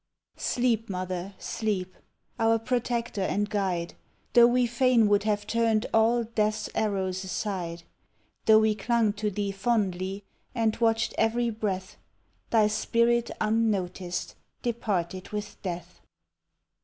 Sleep, mother, sleep! our protector and guide! Though we fain would have turned all Death's arrows aside; Though we clung to thee fondly, and watched every breath, Thy spirit unnoticed departed with Death.